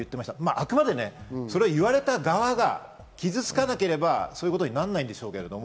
あくまで言われた側が傷つかなければ、そういうことにならないんでしょうけど。